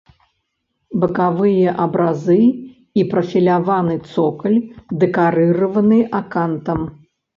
Бакавыя абразы і прафіляваны цокаль дэкарыраваны акантам.